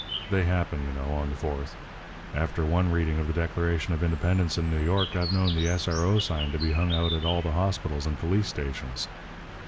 They happen, you know, on the Fourth. After one reading of the Declaration of Independence in New York I've known the S. R. O. sign to be hung out at all the hospitals and police stations.'